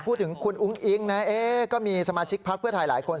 พูดถึงคุณอุ้งอิ๊งนะก็มีสมาชิกพักเพื่อไทยหลายคน